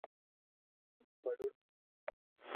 ھون پڙھيڙو ھون